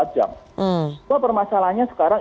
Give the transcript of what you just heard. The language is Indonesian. jadi itu adalah masalahnya sekarang